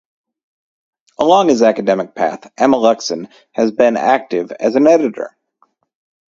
Along his academich path, Amelunxen has been active as an editor.